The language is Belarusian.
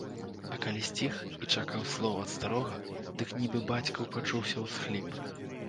А калі сціх і чакаў слоў ад старога, дык нібы бацькаў пачуўся ўсхліп.